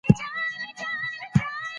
مجاهدین منظم و